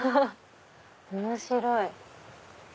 面白い！